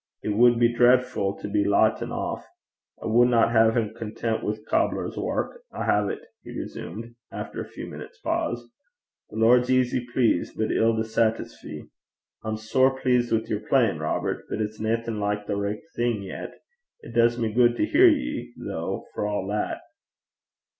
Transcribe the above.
It wad be dreidfu' to be latten aff. I wadna hae him content wi' cobbler's wark. I hae 't,' he resumed, after a few minutes' pause; 'the Lord's easy pleased, but ill to saitisfee. I'm sair pleased wi' your playin', Robert, but it's naething like the richt thing yet. It does me gude to hear ye, though, for a' that.'